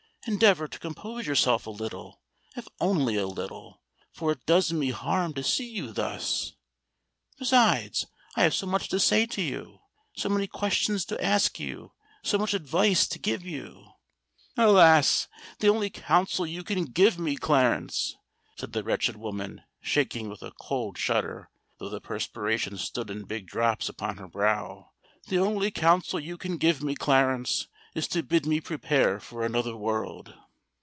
"Endeavour to compose yourself a little—if only a little—for it does me harm to see you thus! Besides, I have so much to say to you—so many questions to ask you—so much advice to give you——" "Alas! the only counsel you can give me, Clarence," said the wretched woman, shaking with a cold shudder, though the perspiration stood in big drops upon her brow,—"the only counsel you can give me, Clarence, is to bid me prepare for another world."